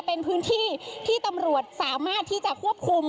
เป็นพื้นที่ที่ตำรวจสามารถที่จะควบคุม